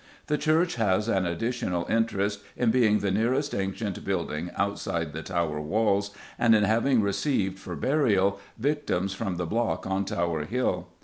The church has an additional interest in being the nearest ancient building outside the Tower walls and in having received, for burial, victims from the block on Tower Hill.